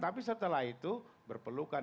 tapi setelah itu berpelukan